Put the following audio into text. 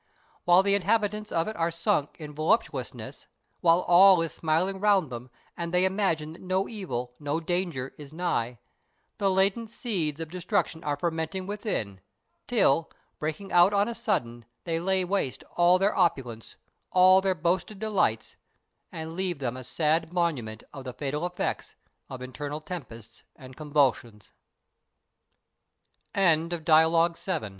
While the inhabitants of it are sunk in voluptuousness while all is smiling around them, and they imagine that no evil, no danger is nigh the latent seeds of destruction are fermenting within; till, breaking out on a sudden, they lay waste all their opulence, all their boasted delights, and leave them a sad monument of the fatal effects of internal tempe